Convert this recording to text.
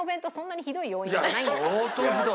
相当ひどい。